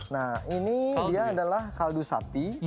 nah ini dia adalah kaldu sapi